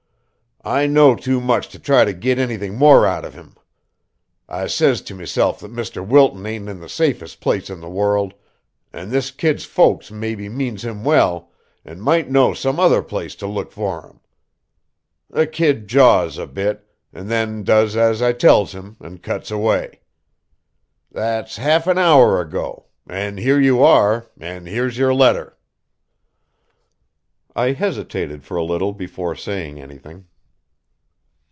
I knows too much to try to git anything more out of him. I says to meself that Mr. Wilton ain't in the safest place in the world, and this kid's folks maybe means him well, and might know some other place to look for him. The kid jaws a bit, an' then does as I tells him, an' cuts away. That's half an hour ago, an' here you are, an' here's your letter." I hesitated for a little before saying anything.